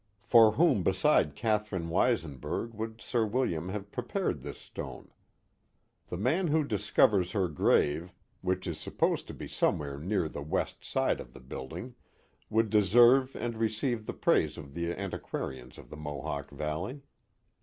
For whom beside Catherine Weisenburg would Sir William have prepared this stone ? The man who discovers her grave (which is supposed to be somewhere near the west side of the build ing) would deserve and receive the praise of the antiquarians of the Mohawk Valley.